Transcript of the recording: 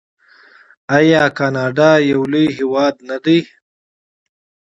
آیا کاناډا یو لوی هیواد نه دی؟